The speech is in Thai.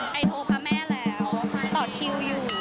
โทรพระแม่แล้วต่อคิวอยู่